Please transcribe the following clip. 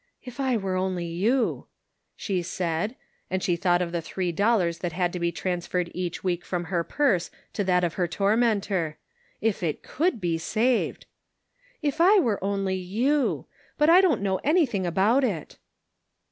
" If I were only you," she said, and she thought of the three dollars that had to be transferred each week from her . purse to that of her tormentor ; if it could be saved. " If I were only you I But I don't know anything about it."